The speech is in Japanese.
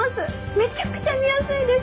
めちゃくちゃ見やすいです！